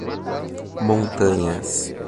Montanhas